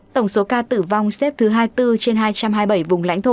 tổng số ca tử vong xếp thứ hai mươi bốn trên hai trăm hai mươi bảy vùng lãnh thổ